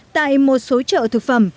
tại một số chợ thực phẩm